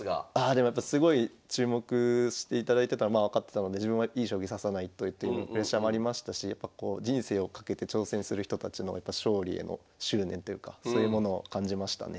すごい注目していただいてたのまあ分かってたので自分はいい将棋指さないとっていうプレッシャーもありましたし人生を懸けて挑戦する人たちのやっぱ勝利への執念というかそういうものを感じましたね。